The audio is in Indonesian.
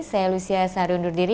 saya lucia sari undur diri